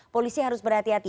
polisi harus berhati hati